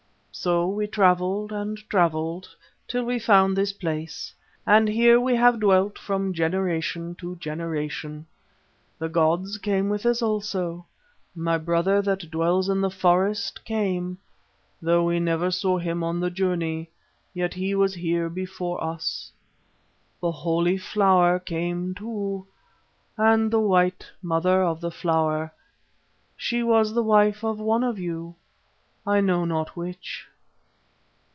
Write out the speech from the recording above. So we travelled and travelled till we found this place, and here we have dwelt from generation to generation. The gods came with us also; my brother that dwells in the forest came, though we never saw him on the journey, yet he was here before us. The Holy Flower came too, and the white Mother of the Flower she was the wife of one of you, I know not which."